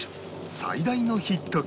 最大のヒット曲